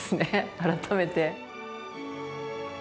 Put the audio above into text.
改めて。